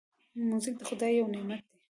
موزیک د خدای یو نعمت دی.